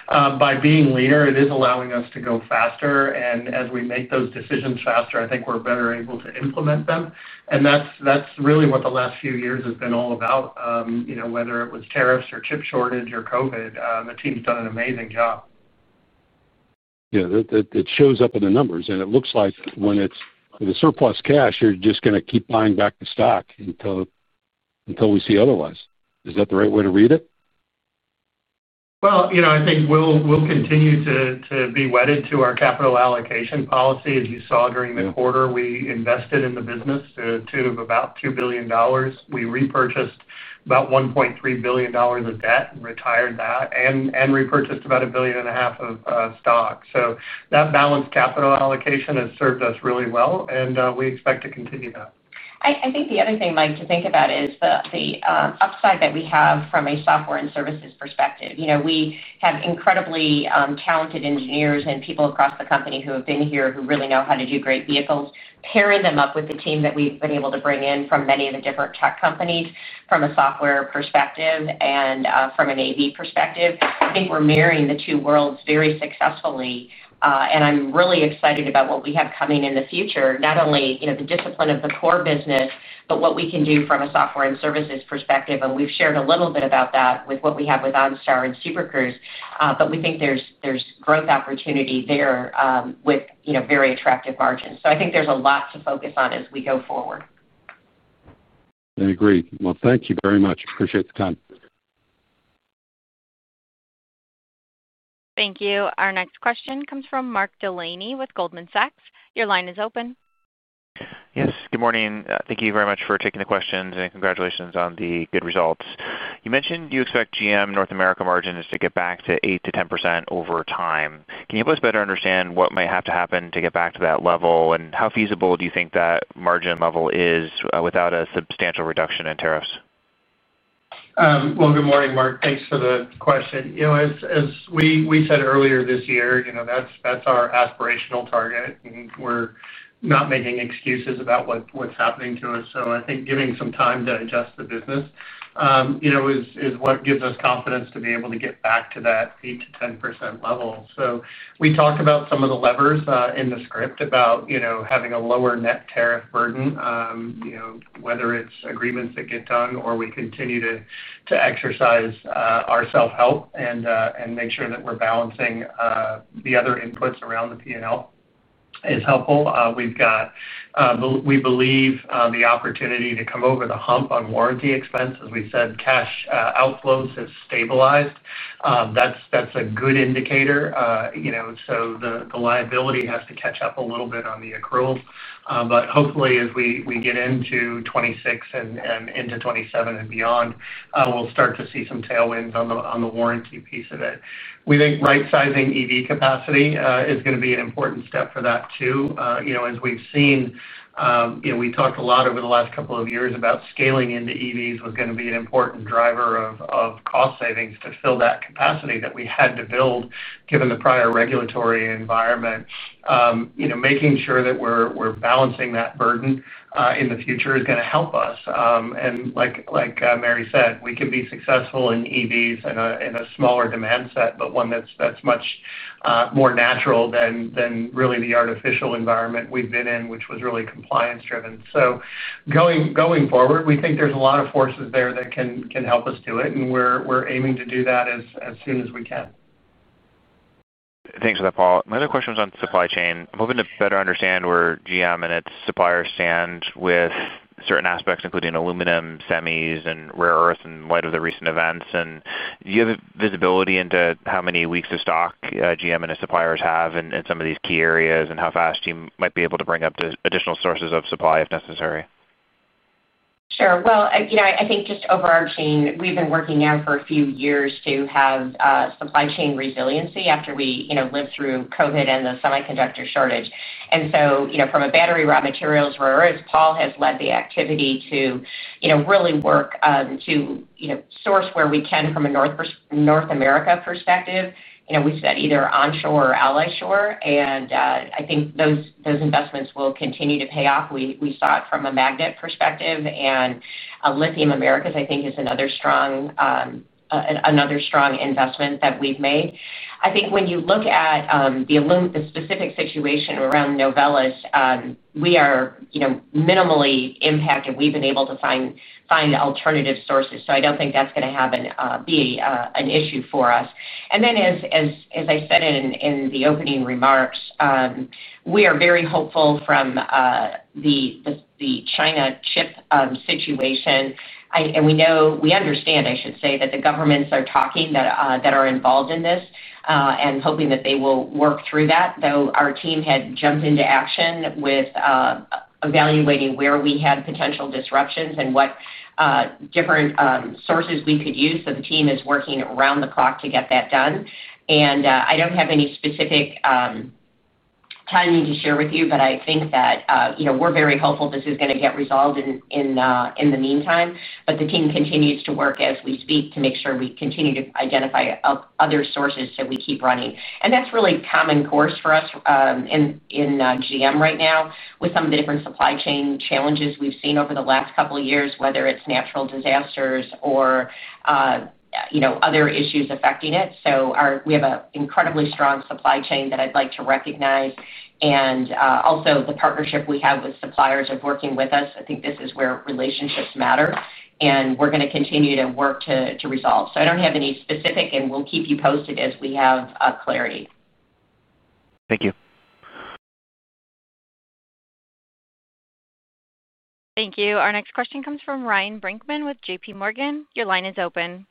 By being leaner, it is allowing us to go faster. As we make those decisions faster, I think we're better able to implement them. That's really what the last few years has been all about. You know, whether it was tariffs or chip shortage or COVID, the team's done an amazing job. Yeah, it shows up in the numbers, and it looks like when it's the surplus cash, you're just going to keep buying back the stock until we see otherwise. Is that the right way to read it? I think we'll continue to be wedded to our capital allocation policy. As you saw during the quarter, we invested in the business to about $2 billion. We repurchased about $1.3 billion of debt and retired that and repurchased about $1.5 billion of stock. That balanced capital allocation has served us really well, and we expect to continue that. I think the other thing, Mike, to think about is the upside that we have from a software and services perspective. We have incredibly talented engineers and people across the company who have been here who really know how to do great vehicles, pairing them up with the team that we've been able to bring in from many of the different tech companies from a software perspective and from an AV perspective. I think we're marrying the two worlds very successfully. I'm really excited about what we have coming in the future, not only the discipline of the core business, but what we can do from a software and services perspective. We've shared a little bit about that with what we have with OnStar Super Cruise. We think there's growth opportunity there with very attractive margins. I think there's a lot to focus on as we go forward. Thank you very much. I appreciate the time. Thank you. Our next question comes from Mark Delaney with Goldman Sachs. Your line is open. Yes. Good morning. Thank you very much for taking the questions and congratulations on the good results. You mentioned you expect GM North America margins to get back to 8% to 10% over time. Can you help us better understand what might have to happen to get back to that level, and how feasible do you think that margin level is without a substantial reduction in tariffs? Good morning, Mark. Thanks for the question. As we said earlier this year, that's our aspirational target, and we're not making excuses about what's happening to us. I think giving some time to adjust the business is what gives us confidence to be able to get back to that 8% to 10% level. We talked about some of the levers in the script, about having a lower net tariff burden, whether it's agreements that get done or we continue to exercise our self-help and make sure that we're balancing the other inputs around the P&L. We've got, we believe, the opportunity to come over the hump on warranty expense. As we said, cash outflows have stabilized. That's a good indicator. The liability has to catch up a little bit on the accrual, but hopefully, as we get into 2026 and into 2027 and beyond, we'll start to see some tailwinds on the warranty piece of it. We think right-sizing EV capacity is going to be an important step for that too. As we've seen, we talked a lot over the last couple of years about scaling into EVs being an important driver of cost savings to fill that capacity that we had to build given the prior regulatory environment. Making sure that we're balancing that burden in the future is going to help us. Like Mary said, we can be successful in EVs in a smaller demand set, but one that's much more natural than the artificial environment we've been in, which was really compliance-driven. Going forward, we think there's a lot of forces there that can help us do it, and we're aiming to do that as soon as we can. Thanks for that, Paul. My other question was on supply chain. I'm hoping to better understand where GM and its suppliers stand with certain aspects, including aluminum, semis, and rare earths, in light of the recent events. Do you have visibility into how many weeks of stock GM and its suppliers have in some of these key areas and how fast you might be able to bring up the additional sources of supply if necessary? Sure. I think just overarching, we've been working now for a few years to have supply chain resiliency after we lived through COVID and the semiconductor shortage. From a battery raw materials, rare earths, Paul has led the activity to really work to source where we can from a North America perspective. We set either onshore or ally shore, and I think those investments will continue to pay off. We saw it from a magnet perspective, and Lithium Americas, I think, is another strong investment that we've made. I think when you look at the specific situation around Novellus, we are minimally impacted. We've been able to find alternative sources, so I don't think that's going to be an issue for us. As I said in the opening remarks, we are very hopeful from the China chip situation. We understand, I should say, that the governments are talking that are involved in this, and hoping that they will work through that. Our team had jumped into action with evaluating where we had potential disruptions and what different sources we could use. The team is working around the clock to get that done. I don't have any specific timing to share with you, but I think that we're very hopeful this is going to get resolved in the meantime. The team continues to work as we speak to make sure we continue to identify other sources so we keep running. That's really common course for us in GM right now with some of the different supply chain challenges we've seen over the last couple of years, whether it's natural disasters or other issues affecting it. We have an incredibly strong supply chain that I'd like to recognize, and also the partnership we have with suppliers working with us. I think this is where relationships matter, and we're going to continue to work to resolve. I don't have any specific, and we'll keep you posted as we have clarity. Thank you. Thank you. Our next question comes from Ryan Brinkman with JPMorgan. Your line is open.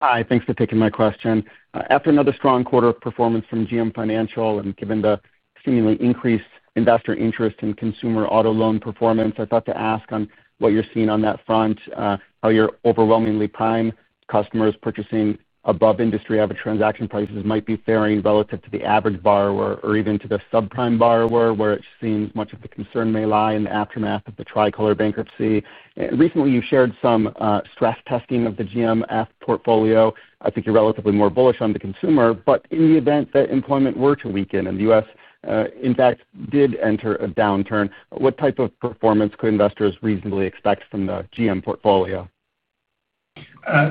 Hi. Thanks for taking my question. After another strong quarter of performance from GM Financial and given the seemingly increased investor interest in consumer auto loan performance, I thought to ask on what you're seeing on that front, how your overwhelmingly prime customers purchasing above industry average transaction prices might be faring relative to the average borrower or even to the subprime borrower, where it seems much of the concern may lie in the aftermath of the Tricolor bankruptcy. Recently, you shared some stress testing of the GM Financial portfolio. I think you're relatively more bullish on the consumer. In the event that employment were to weaken and the U.S., in fact, did enter a downturn, what type of performance could investors reasonably expect from the GM Financial portfolio?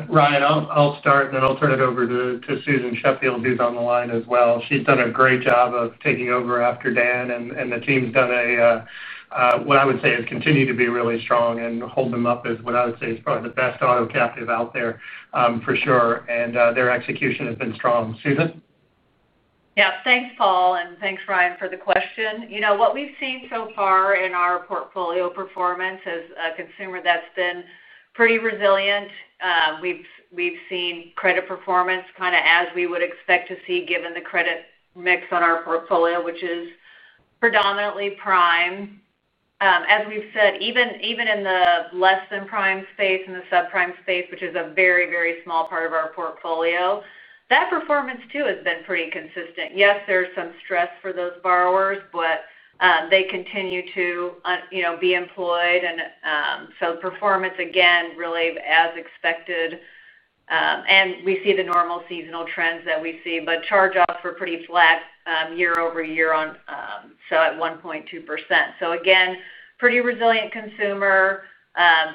Ryan, I'll start, and then I'll turn it over to Susan Sheffield, who's on the line as well. She's done a great job of taking over after Dan, and the team's done what I would say has continued to be really strong and hold them up as what I would say is probably the best auto captive out there, for sure. Their execution has been strong. Susan? Yeah. Thanks, Paul, and thanks, Ryan, for the question. What we've seen so far in our portfolio performance as a consumer, that's been pretty resilient. We've seen credit performance kind of as we would expect to see given the credit mix on our portfolio, which is predominantly prime. As we've said, even in the less than prime space and the subprime space, which is a very, very small part of our portfolio, that performance too has been pretty consistent. Yes, there's some stress for those borrowers, but they continue to, you know, be employed. The performance, again, really as expected, and we see the normal seasonal trends that we see. Charge-offs were pretty flat year-over-year, at 1.2%. Again, pretty resilient consumer.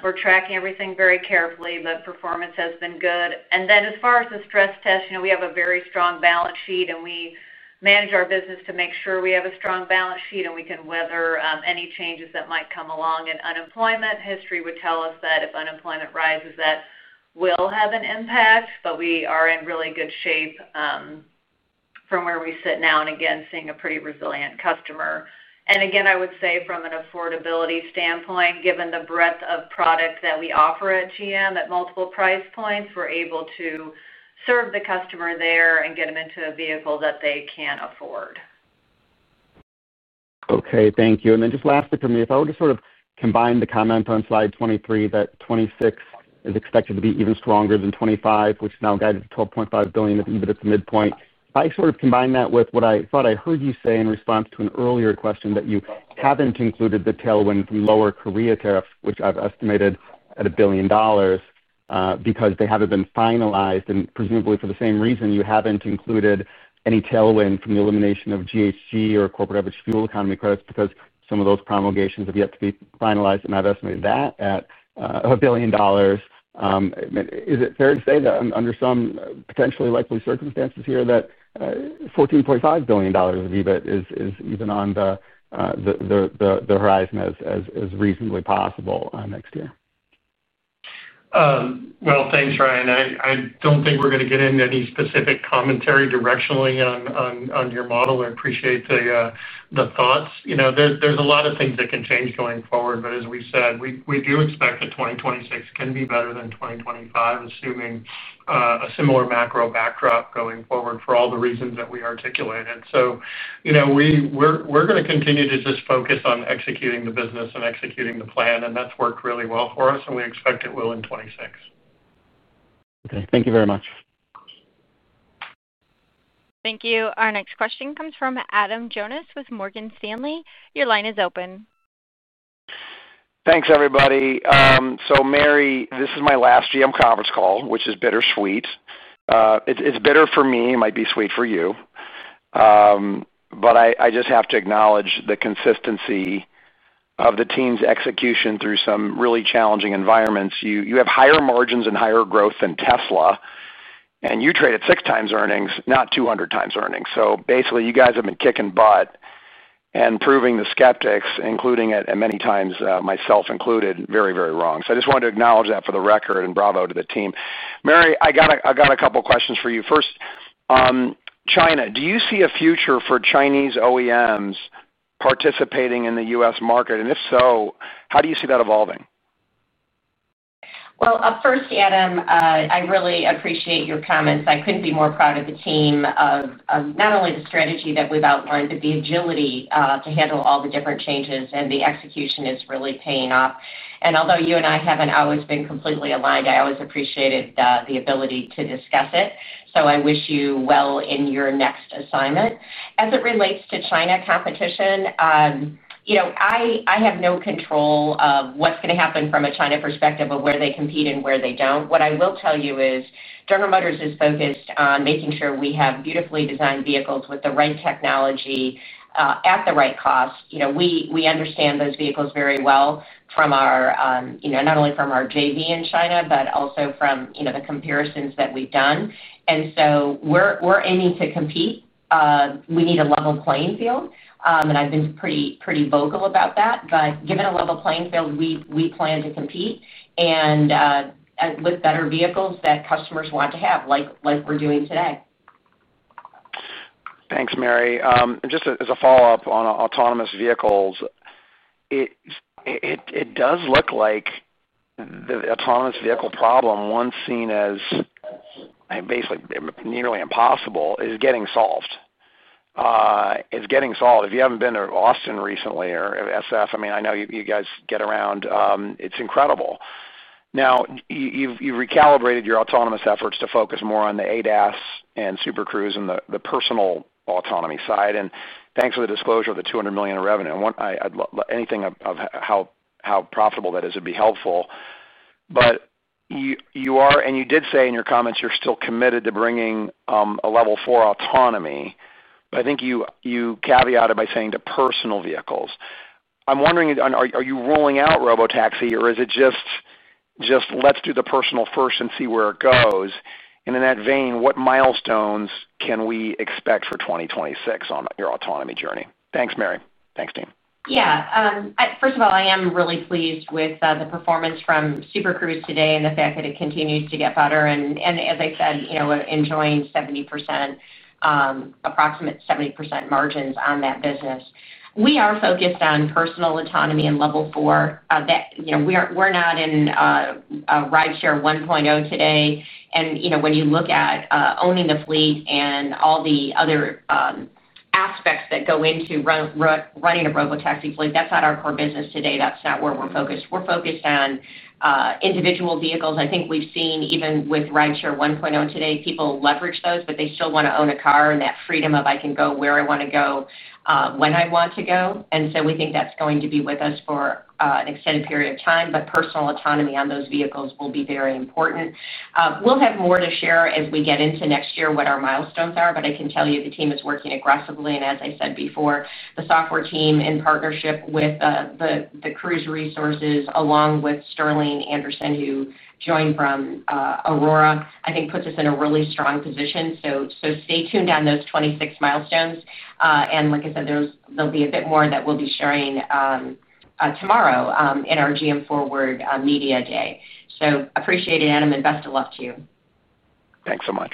We're tracking everything very carefully, but performance has been good. As far as the stress test, we have a very strong balance sheet, and we manage our business to make sure we have a strong balance sheet and we can weather any changes that might come along. Unemployment history would tell us that if unemployment rises, that will have an impact. We are in really good shape from where we sit now and, again, seeing a pretty resilient customer. I would say from an affordability standpoint, given the breadth of product that we offer at General Motors at multiple price points, we're able to serve the customer there and get them into a vehicle that they can afford. Okay. Thank you. Lastly from me, if I were to sort of combine the comments on slide 23, that 2026 is expected to be even stronger than 2025, which is now guided to $12.5 billion of EBIT at the midpoint. If I sort of combine that with what I thought I heard you say in response to an earlier question that you haven't included the tailwind from lower Korea tariffs, which I've estimated at $1 billion, because they haven't been finalized. Presumably for the same reason, you haven't included any tailwind from the elimination of GHG or corporate average fuel economy credits because some of those promulgations have yet to be finalized. I've estimated that at $1 billion. Is it fair to say that under some potentially likely circumstances here that $14.5 billion of EBIT is even on the horizon as reasonably possible next year? Thanks, Ryan. I don't think we're going to get into any specific commentary directionally on your model. I appreciate the thoughts. You know, there's a lot of things that can change going forward. As we said, we do expect that 2026 can be better than 2025, assuming a similar macro backdrop going forward for all the reasons that we articulated. You know, we're going to continue to just focus on executing the business and executing the plan. That's worked really well for us, and we expect it will in 2026. Okay, thank you very much. Thank you. Our next question comes from Adam Jonas with Morgan Stanley. Your line is open. Thanks, everybody. Mary, this is my last GM conference call, which is bittersweet. It's bitter for me. It might be sweet for you. I just have to acknowledge the consistency of the team's execution through some really challenging environments. You have higher margins and higher growth than Tesla, and you traded six times earnings, not 200 times earnings. Basically, you guys have been kicking butt and proving the skeptics, including at many times, myself included, very, very wrong. I just wanted to acknowledge that for the record and bravo to the team. Mary, I got a couple of questions for you. First, China, do you see a future for Chinese OEMs participating in the U.S. market? If so, how do you see that evolving? Adam, I really appreciate your comments. I couldn't be more proud of the team, not only the strategy that we've outlined, but the agility to handle all the different changes. The execution is really paying off. Although you and I haven't always been completely aligned, I always appreciated the ability to discuss it. I wish you well in your next assignment. As it relates to China competition, I have no control of what's going to happen from a China perspective of where they compete and where they don't. What I will tell you is General Motors is focused on making sure we have beautifully designed vehicles with the right technology, at the right cost. We understand those vehicles very well, not only from our JV in China, but also from the comparisons that we've done. We're aiming to compete. We need a level playing field. I've been pretty vocal about that. Given a level playing field, we plan to compete with better vehicles that customers want to have, like we're doing today. Thanks, Mary. Just as a follow-up on autonomous vehicles, it does look like the autonomous vehicle problem, once seen as basically nearly impossible, is getting solved. It's getting solved. If you haven't been to Austin recently or SF, I mean, I know you guys get around. It's incredible. Now, you've recalibrated your autonomous efforts to focus more on the ADAS and Super Cruise and the personal autonomy side. Thanks for the disclosure of the $200 million in revenue. What I'd love, anything of how profitable that is would be helpful. You are, and you did say in your comments, you're still committed to bringing a level four autonomy. I think you caveated by saying to personal vehicles. I'm wondering, are you ruling out robotaxi, or is it just let's do the personal first and see where it goes? In that vein, what milestones can we expect for 2026 on your autonomy journey? Thanks, Mary. Thanks, team. Yeah. First of all, I am really pleased with the performance from Super Cruise today and the fact that it continues to get better. As I said, enjoying approximately 70% margins on that business. We are focused on personal autonomy and level four. We are not in Rideshare 1.0 today. When you look at owning the fleet and all the other aspects that go into running a robotaxi fleet, that's not our core business today. That's not where we're focused. We're focused on individual vehicles. I think we've seen even with Rideshare 1.0 today, people leverage those, but they still want to own a car and that freedom of, "I can go where I want to go, when I want to go." We think that's going to be with us for an extended period of time. Personal autonomy on those vehicles will be very important. We'll have more to share as we get into next year what our milestones are. I can tell you the team is working aggressively. As I said before, the software team in partnership with the Cruise resources, along with Sterling Anderson, who joined from Aurora, I think puts us in a really strong position. Stay tuned on those 2026 milestones. Like I said, there'll be a bit more that we'll be sharing tomorrow in our GM Forward media day. Appreciate it, Adam, and best of luck to you. Thanks so much.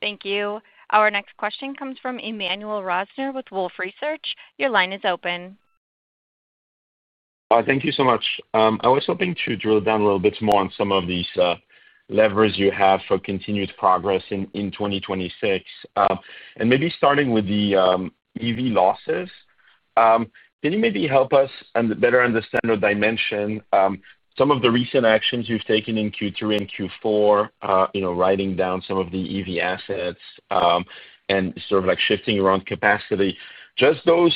Thank you. Our next question comes from Emmanuel Rosner with Wolfe Research. Your line is open. Thank you so much. I was hoping to drill down a little bit more on some of these levers you have for continued progress in 2026. Maybe starting with the EV losses, can you help us better understand or dimension some of the recent actions you've taken in Q3 and Q4, you know, writing down some of the EV assets and shifting around capacity? Just those,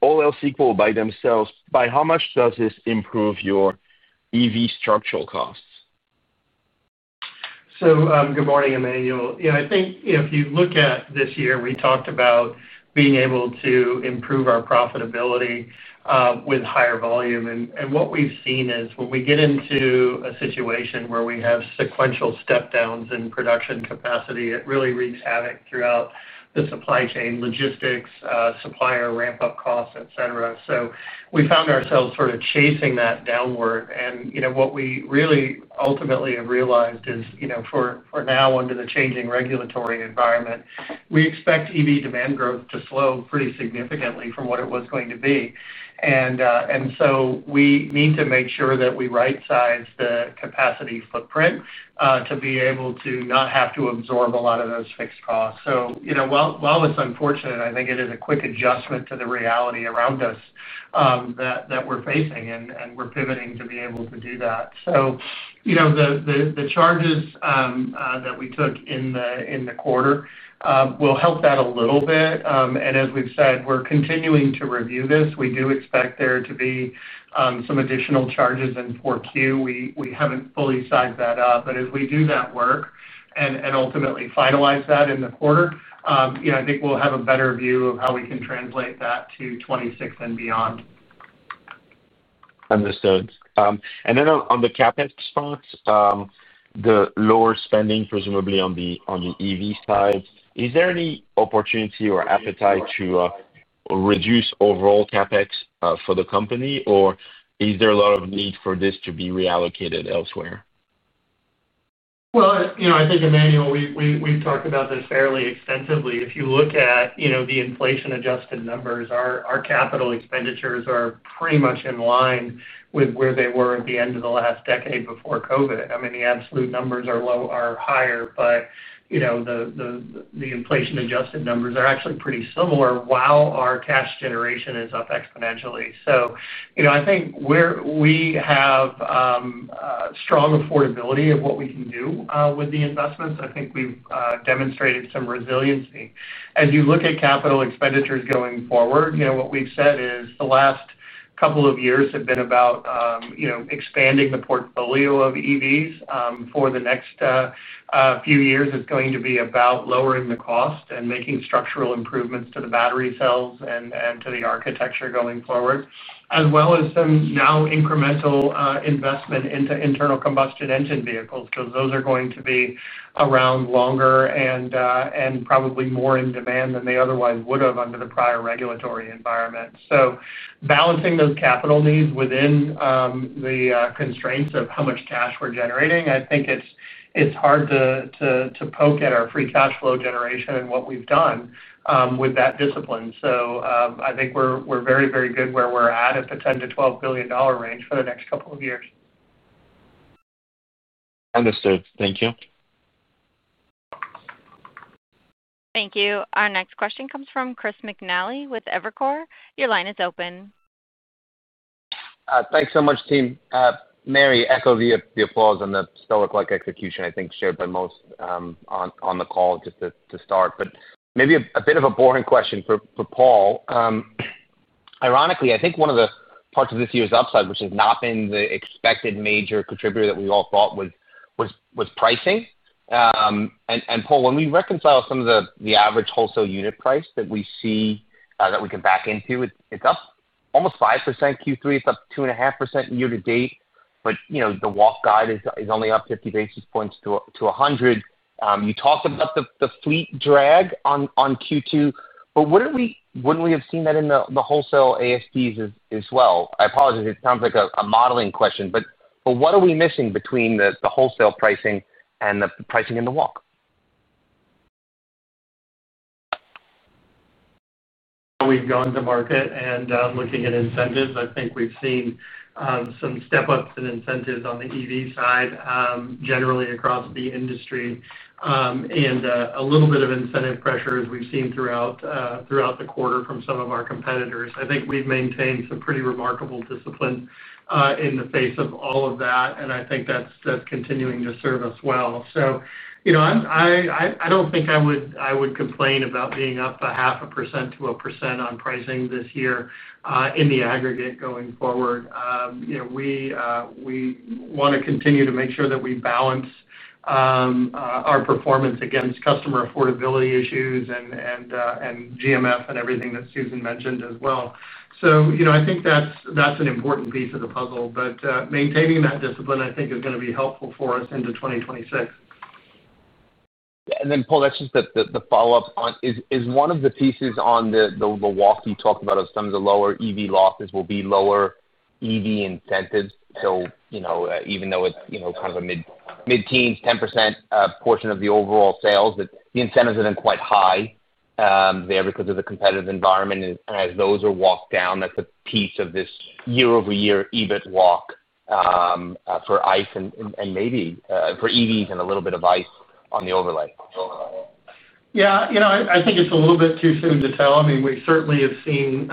all else equal by themselves, by how much does this improve your EV structural costs? Good morning, Emmanuel. If you look at this year, we talked about being able to improve our profitability with higher volume. What we've seen is when we get into a situation where we have sequential step-downs in production capacity, it really wreaks havoc throughout the supply chain, logistics, supplier ramp-up costs, et cetera. We found ourselves sort of chasing that downward. What we really ultimately have realized is, for now, under the changing regulatory environment, we expect EV demand growth to slow pretty significantly from what it was going to be. We need to make sure that we right-size the capacity footprint to be able to not have to absorb a lot of those fixed costs. While it's unfortunate, I think it is a quick adjustment to the reality around us that we're facing. We're pivoting to be able to do that. The charges that we took in the quarter will help that a little bit. As we've said, we're continuing to review this. We do expect there to be some additional charges in 4Q. We haven't fully sized that up. As we do that work and ultimately finalize that in the quarter, I think we'll have a better view of how we can translate that to 2026 and beyond. Understood. On the CapEx funds, the lower spending presumably on the EV side, is there any opportunity or appetite to reduce overall CapEx for the company, or is there a lot of need for this to be reallocated elsewhere? I think, Emmanuel, we've talked about this fairly extensively. If you look at the inflation-adjusted numbers, our capital expenditures are pretty much in line with where they were at the end of the last decade before COVID. The absolute numbers are higher, but the inflation-adjusted numbers are actually pretty similar while our cash generation is up exponentially. I think we have strong affordability of what we can do with the investments. I think we've demonstrated some resiliency. As you look at capital expenditures going forward, what we've said is the last couple of years have been about expanding the portfolio of EVs. For the next few years, it's going to be about lowering the cost and making structural improvements to the battery cells and to the architecture going forward, as well as some now incremental investment into internal combustion engine vehicles because those are going to be around longer and probably more in demand than they otherwise would have under the prior regulatory environment. Balancing those capital needs within the constraints of how much cash we're generating, I think it's hard to poke at our free cash flow generation and what we've done with that discipline. I think we're very, very good where we're at at the $10 billion - $12 billion range for the next couple of years. Understood. Thank you. Thank you. Our next question comes from Chris McNally with Evercore. Your line is open. Thanks so much, team. Mary, echo the applause on the stellar clock execution I think shared by most on the call just to start. Maybe a bit of a boring question for Paul. Ironically, I think one of the parts of this year's upside, which has not been the expected major contributor that we all thought was pricing. Paul, when we reconcile some of the average wholesale unit price that we see, that we can back into, it's up almost 5% Q3. It's up 2.5% year to date. The WOC guide is only up 50 basis points to 100. You talked about the fleet drag on Q2. Wouldn't we have seen that in the wholesale ASPs as well? I apologize. It sounds like a modeling question. What are we missing between the wholesale pricing and the pricing in the WOC? We've gone to market and, looking at incentives. I think we've seen some step-ups in incentives on the EV side, generally across the industry, and a little bit of incentive pressures we've seen throughout the quarter from some of our competitors. I think we've maintained some pretty remarkable discipline in the face of all of that. I think that's continuing to serve us well. I don't think I would complain about being up a half a % to a % on pricing this year, in the aggregate going forward. We want to continue to make sure that we balance our performance against customer affordability issues and GMF and everything that Susan mentioned as well. I think that's an important piece of the puzzle. Maintaining that discipline, I think, is going to be helpful for us into 2026. Yeah. Paul, just the follow-up on is one of the pieces on the WOC you talked about of some of the lower EV losses will be lower EV incentives. Even though it's kind of a mid-teens 10% portion of the overall sales, the incentives have been quite high there because of the competitive environment. As those are walked down, that's a piece of this year-over-year EBIT WOC for ICE and maybe for EVs and a little bit of ICE on the overlay. Yeah. I think it's a little bit too soon to tell. I mean, we certainly have seen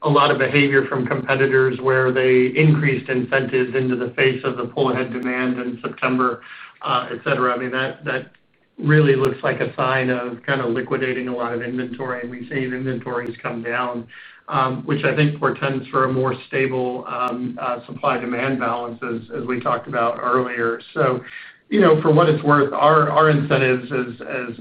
a lot of behavior from competitors where they increased incentives into the face of the pull-ahead demand in September, et cetera. That really looks like a sign of kind of liquidating a lot of inventory. We've seen inventories come down, which I think portends for a more stable supply-demand balance as we talked about earlier. For what it's worth, our incentives, as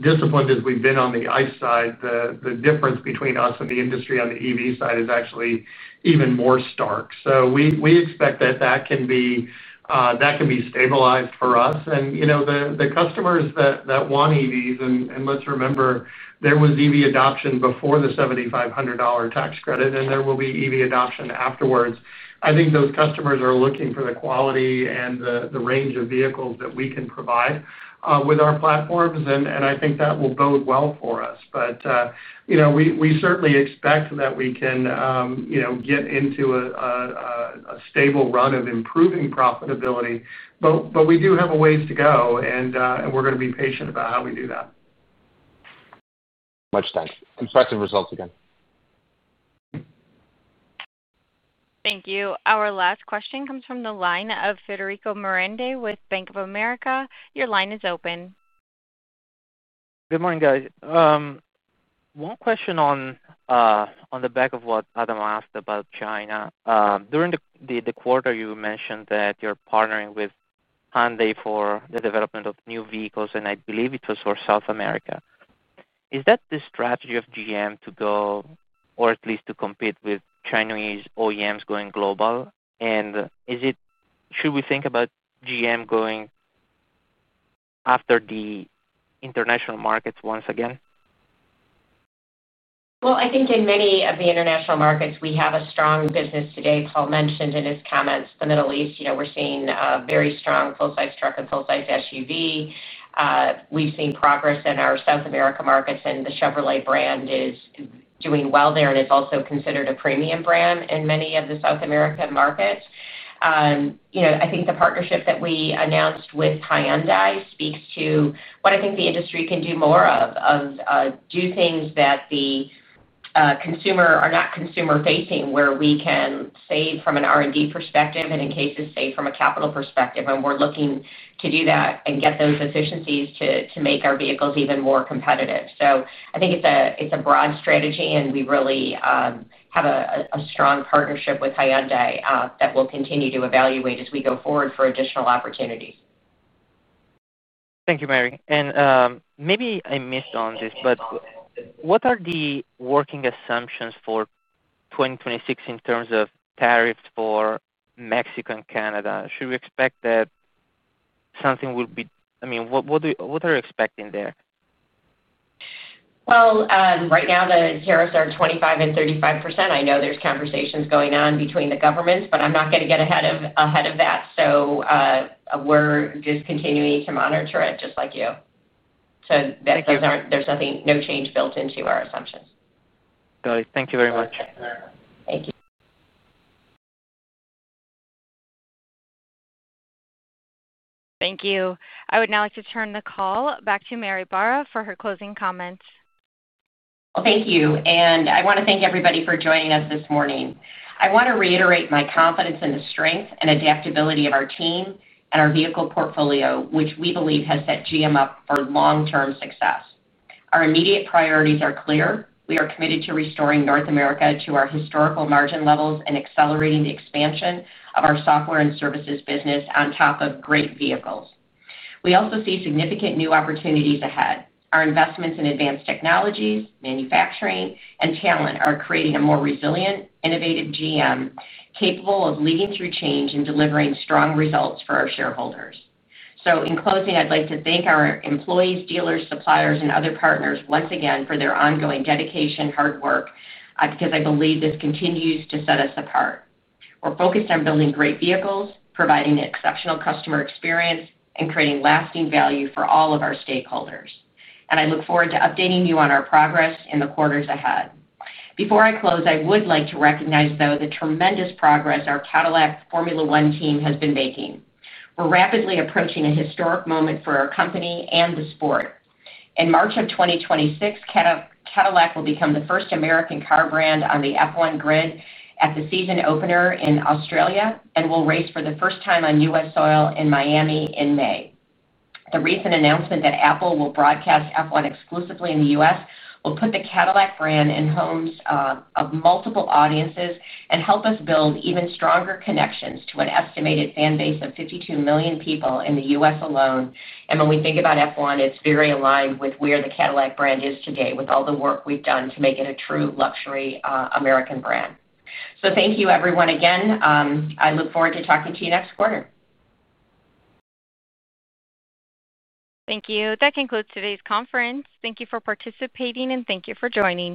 disciplined as we've been on the ICE side, the difference between us and the industry on the EV side is actually even more stark. We expect that can be stabilized for us. The customers that want EVs, and let's remember, there was EV adoption before the $7,500 tax credit, and there will be EV adoption afterwards. I think those customers are looking for the quality and the range of vehicles that we can provide with our platforms. I think that will bode well for us. We certainly expect that we can get into a stable run of improving profitability. We do have a ways to go, and we're going to be patient about how we do that. Much thanks. Impressive results again. Thank you. Our last question comes from the line of Federico Merendi with Bank of America. Your line is open. Good morning, guys. One question on the back of what Adam asked about China. During the quarter, you mentioned that you're partnering with Hyundai for the development of new vehicles, and I believe it was for South America. Is that the strategy of GM to go, or at least to compete with Chinese OEMs going global? Should we think about GM going after the international markets once again? I think in many of the international markets, we have a strong business today. Paul mentioned in his comments the Middle East. We're seeing a very strong full-size truck and full-size SUV. We've seen progress in our South America markets, and the Chevrolet brand is doing well there. It's also considered a premium brand in many of the South America markets. I think the partnership that we announced with Hyundai speaks to what I think the industry can do more of, do things that are not consumer-facing, where we can save from an R&D perspective and, in cases, save from a capital perspective. We're looking to do that and get those efficiencies to make our vehicles even more competitive. I think it's a broad strategy, and we really have a strong partnership with Hyundai that we'll continue to evaluate as we go forward for additional opportunities. Thank you, Mary. Maybe I missed on this, but what are the working assumptions for 2026 in terms of tariffs for Mexico and Canada? Should we expect that something will be, I mean, what are you expecting there? Right now, the tariffs are 25% and 35%. I know there's conversations going on between the governments, but I'm not going to get ahead of that. We're just continuing to monitor it just like you. That doesn't, there's nothing, no change built into our assumptions. Got it. Thank you very much. Thank you very much. Thank you. Thank you. I would now like to turn the call back to Mary Barra for her closing comments. Thank you. I want to thank everybody for joining us this morning. I want to reiterate my confidence in the strength and adaptability of our team and our vehicle portfolio, which we believe has set GM up for long-term success. Our immediate priorities are clear. We are committed to restoring North America to our historical margin levels and accelerating the expansion of our software and services business on top of great vehicles. We also see significant new opportunities ahead. Our investments in advanced technologies, manufacturing, and talent are creating a more resilient, innovative General Motors capable of leading through change and delivering strong results for our shareholders. In closing, I'd like to thank our employees, dealers, suppliers, and other partners once again for their ongoing dedication and hard work, because I believe this continues to set us apart. We're focused on building great vehicles, providing an exceptional customer experience, and creating lasting value for all of our stakeholders. I look forward to updating you on our progress in the quarters ahead. Before I close, I would like to recognize the tremendous progress our Cadillac Formula One team has been making. We're rapidly approaching a historic moment for our company and the sport. In March of 2026, Cadillac will become the first American car brand on the F1 grid at the season opener in Australia and will race for the first time on U.S. soil in Miami in May. The recent announcement that Apple will broadcast F1 exclusively in the U.S. will put the Cadillac brand in homes of multiple audiences and help us build even stronger connections to an estimated fan base of 52 million people in the U.S. alone. When we think about F1, it's very aligned with where the Cadillac brand is today with all the work we've done to make it a true luxury American brand. Thank you, everyone, again. I look forward to talking to you next quarter. Thank you. That concludes today's conference. Thank you for participating, and thank you for joining.